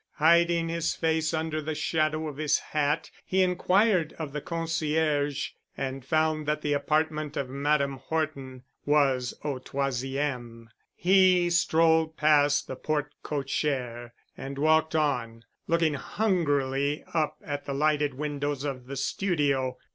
Hiding his face under the shadow of his hat he inquired of the concierge and found that the apartment of Madame Horton was au troisième. He strolled past the porte cochère and walked on, looking hungrily up at the lighted windows of the studio.